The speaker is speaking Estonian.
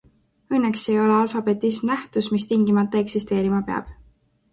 Õnneks ei ole alfabetism nähtus, mis tingimata eksisteerima peab.